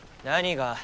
何が？